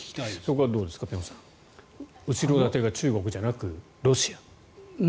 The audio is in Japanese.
そこはどうですか辺さん後ろ盾が中国じゃなくロシア。